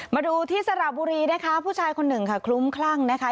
มาดูที่สระบุรีนะคะผู้ชายคนหนึ่งค่ะคลุ้มคลั่งนะคะ